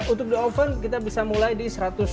untuk di oven kita bisa mulai di satu ratus lima puluh